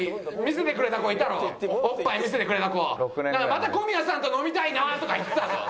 「また小宮さんと飲みたいな」とか言ってたぞ。